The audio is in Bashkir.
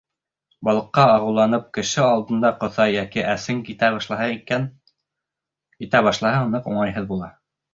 Балыҡҡа ағыуланып, кеше алдында ҡоҫа йәки әсең китә башлаһа, ныҡ уңайһыҙ була.